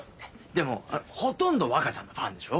でもほとんど若ちゃんのファンでしょ？